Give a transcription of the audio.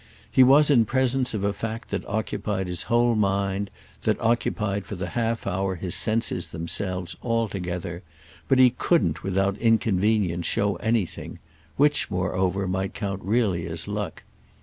He was in presence of a fact that occupied his whole mind, that occupied for the half hour his senses themselves all together; but he couldn't without inconvenience show anything—which moreover might count really as luck.